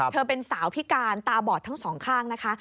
เธอเป็นสาวพิการตาบอดทั้งสองข้างนะคะ